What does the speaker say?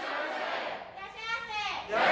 いらっしゃいませ！